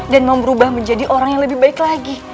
dan mau berubah menjadi orang yang lebih baik lagi